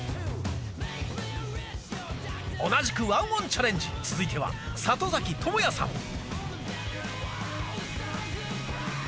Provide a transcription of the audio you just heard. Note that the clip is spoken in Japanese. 同じく１オンチャレンジ続いては里崎智也さん。